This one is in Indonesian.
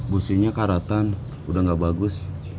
businya karatan udah gak bagus